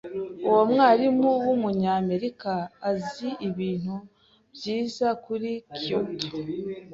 Uwo mwarimu wumunyamerika azi ibintu byiza kuri Kyoto